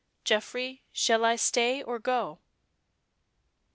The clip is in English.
Geoffrey, shall I stay or go?"